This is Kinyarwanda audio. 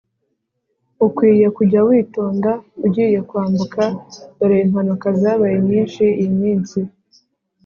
ukwiye kujya witonda ugiye kwambuka dore impanuka zabaye nyinshi iyi minsi